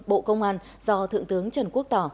bộ công an do thượng tướng trần quốc tỏ